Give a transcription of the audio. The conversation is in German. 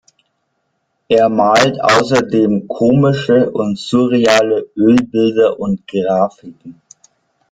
Er malt außerdem komische und surreale Ölbilder und Grafiken.